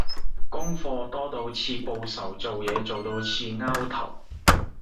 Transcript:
功課多到似報仇做嘢做到似 𢯎 頭